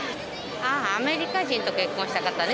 あアメリカ人と結婚した方ね